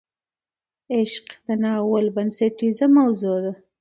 عشق د ناول بنسټیزه موضوع ده.